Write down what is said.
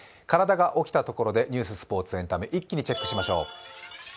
体が起きたところでニュース、スポーツ、エンタメ、一気にチェックしましょう。